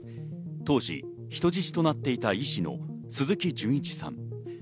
当時人質となっていた医師の鈴木純一さん。